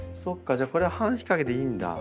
じゃあこれは半日陰でいいんだ。